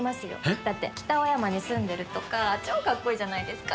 えっ？だって北青山に住んでるとか超かっこいいじゃないですか。